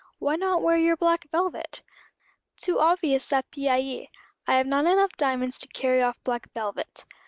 "Why not wear your black velvet?" "Too obvious a pis aller. I have not enough diamonds to carry off black velvet."